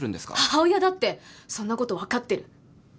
母親だってそんなこと分かってる。